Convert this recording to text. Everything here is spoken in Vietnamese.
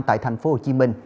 tại thành phố hồ chí minh